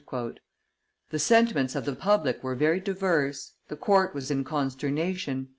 The sentiments of the public were very diverse: the court was in consternation.